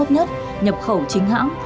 nhập khẩu chính hãng